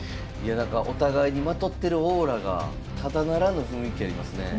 お互いにまとってるオーラがただならぬ雰囲気ありますねえ。